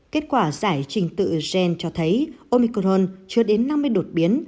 kết quả giải trình tự gen cho thấy omicrone chưa đến năm mươi đột biến